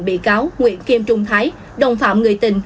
bị cáo nguyễn kim trung thái đồng phạm người tình